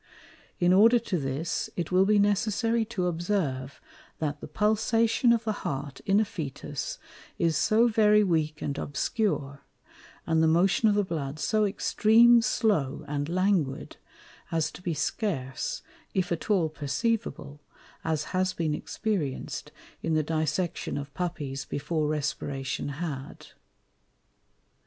In order to this, it will be necessary to observe, that the Pulsation of the Heart in a Fœtus is so very weak and obscure, and the Motion of the Blood so extream slow and languid, as to be scarce, if at all perceivable, as has been experienced in the Dissection of Puppies before Respiration had.